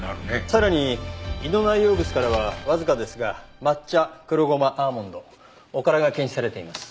さらに胃の内容物からはわずかですが抹茶黒ゴマアーモンドおからが検出されています。